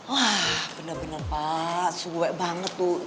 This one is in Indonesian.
wah bener bener pak suek banget tuh